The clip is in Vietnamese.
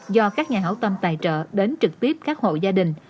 do các nhà hảo tâm tài trợ đến trực tiếp các hộ gia đình